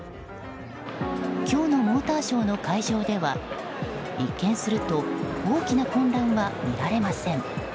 今日のモーターショーの会場では一見すると大きな混乱は見られません。